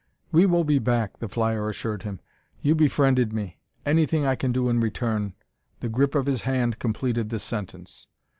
"We will be back," the flyer assured him. "You befriended me: anything I can do in return " The grip of his hand completed the sentence.